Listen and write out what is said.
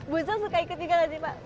bu elsa suka ikut juga gak sih pak